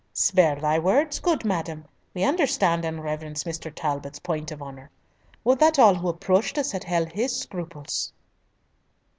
"Spare thy words, good madam. We understand and reverence Mr. Talbot's point of honour. Would that all who approached us had held his scruples!"